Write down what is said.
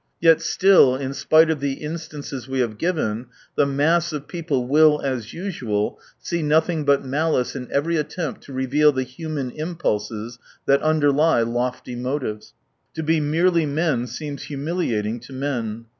141 Yet still, in spite of the instances we have given, the mass of people will, as usual, see nothing but malice in every attempt to reveal the human impulses that underlie " lofty " motives. To be merely men seems humiliating to men.